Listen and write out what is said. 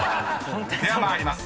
では参ります。